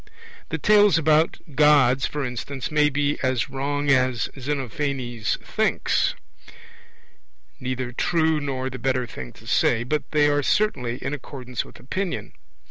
The tales about Gods, for instance, may be as wrong as Xenophanes thinks, neither true nor the better thing to say; but they are certainly in accordance with opinion.